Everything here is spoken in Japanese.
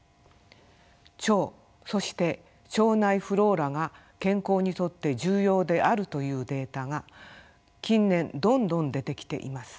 腸そして腸内フローラが健康にとって重要であるというデータが近年どんどん出てきています。